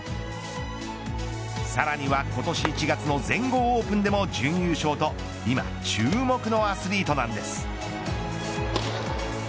さらには今年１月の全豪オープンでも準優勝と今注目のアスリートなんです。